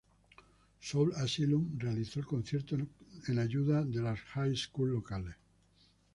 Soul Asylum realizó el concierto en ayuda de las high schools locales.